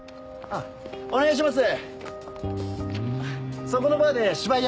あっお願いします！